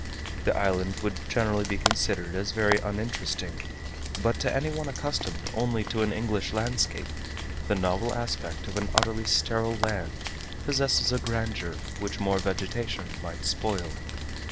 The island would generally be considered as very uninteresting, but to anyone accustomed only to an English landscape, the novel aspect of an utterly sterile land possesses a grandeur which more vegetation might spoil.